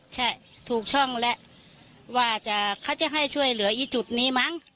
ใช่ถูกช่องแล้วว่าเขาจะให้ช่วยเหลืออีจุดนี้มั้ง